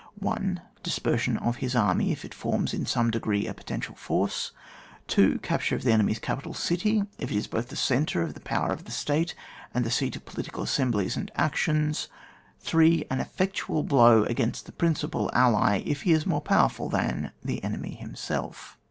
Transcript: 1. Dispersion of his army if it forms, in some degree, a potential force. 2. Capture of the enemy's capital city, if it is both the centre of the power of the State and the seat of political assemblies and actions. 3. An effectual blow against the prin cipal ally, if he is more powerful than the enemy himself.